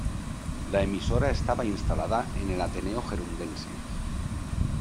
La emisora estaba instalada en el Ateneo Gerundense.